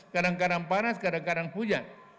kadang kadang panas kadang kadang hujan